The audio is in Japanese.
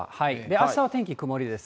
あしたの天気は曇りです。